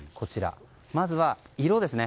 まずは色ですね。